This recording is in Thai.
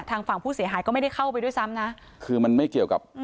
ทางฝั่งผู้เสียหายก็ไม่ได้เข้าไปด้วยซ้ำนะคือมันไม่เกี่ยวกับ